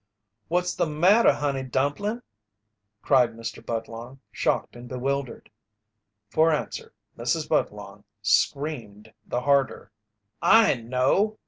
"What's the matter, Honey Dumplin'?" cried Mr. Budlong, shocked and bewildered. For answer, Mrs. Budlong screamed the harder. "I know!"